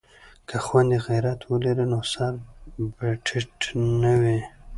که خویندې غیرت ولري نو سر به ټیټ نه وي.